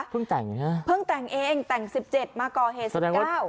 แต่งใช่ไหมเพิ่งแต่งเองแต่งสิบเจ็ดมาก่อเหตุสิบเก้า